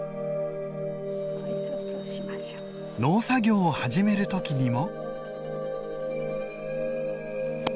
農作業を始める時にも。